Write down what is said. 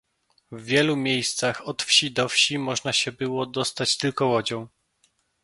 "W wielu miejscach od wsi do wsi można się było dostać tylko łodzią."